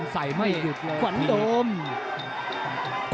ฝ่ายทั้งเมืองนี้มันตีโต้หรืออีโต้